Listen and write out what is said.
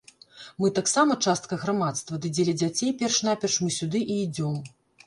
Мы таксама частка грамадства, ды дзеля дзяцей перш-наперш мы сюды і ідзём.